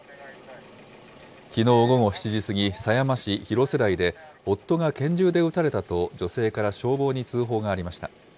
きのう午後７時過ぎ、狭山市広瀬台で、夫が拳銃で撃たれたと女性から消防に通報がありました。